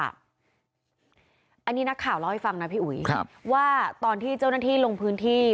อันนี้นักข่าวเล่าให้ฟังนะพี่อุ๋ยว่าตอนที่เจ้าหน้าที่ลงพื้นที่